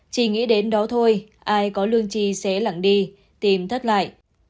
chỉ nghĩ đến đó thôi ai có lương chi sẽ lặng đi tìm thất lại